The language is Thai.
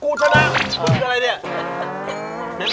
กูชนะมึงเป็นอะไรเนี้ย